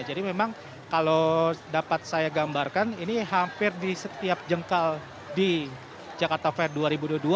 jadi memang kalau dapat saya gambarkan ini hampir di setiap jengkal di jakarta fair dua ribu dua puluh dua